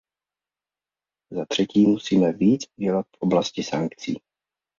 Zatřetí musíme více udělat v oblasti sankcí.